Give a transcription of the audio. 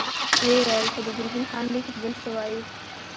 ويې ويل: خو د ګرګين خان ليک بل څه وايي.